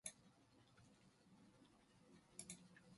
일포와 기호는 기가 나서 밖으로 나간다.